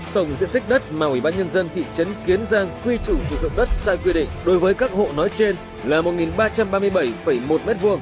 tổng diện tích đất mà ubnd thị trấn kiến giang quy chủ sử dụng đất sai quy định đối với các hộ nói trên là một ba trăm ba mươi bảy một m hai